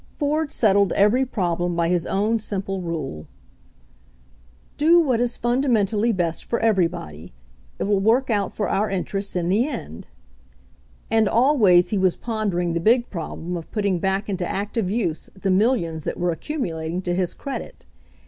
Ford settled every problem by his own simple 147 148 HENRY FORD'S OWN STORY rule, "Do what is fundamentally best for every body. It will work out for our interests in the end." And always he was pondering the big problem of putting back into active use the millions that were accumulating to his credit.